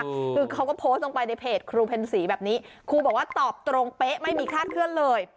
คือเขาก็โพสต์ลงไปในเพจครูเพ็ญศรีแบบนี้ครูบอกว่าตอบตรงเป๊ะไม่มีคลาดเคลื่อนเลย